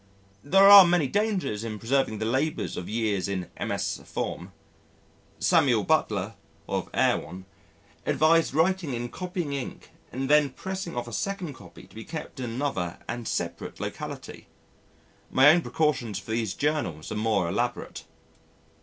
There are many dangers in preserving the labours of years in MS. form. Samuel Butler (of Erewhon) advised writing in copying ink and then pressing off a second copy to be kept in another and separate locality. My own precautions for these Journals are more elaborate.